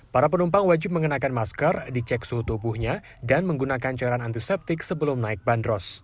para penumpang wajib mengenakan masker dicek suhu tubuhnya dan menggunakan cairan antiseptik sebelum naik bandros